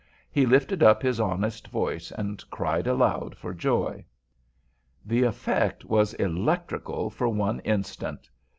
He lifted up his honest voice and cried aloud for joy. The effect was electrical for one instant.